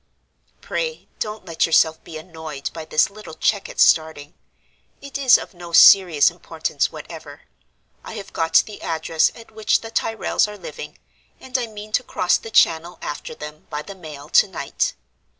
"Pray don't let yourself be annoyed by this little check at starting. It is of no serious importance whatever. I have got the address at which the Tyrrels are living, and I mean to cross the Channel after them by the mail to night.